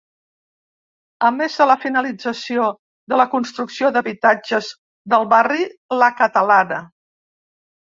A més de la finalització de la construcció d'habitatges del barri La Catalana.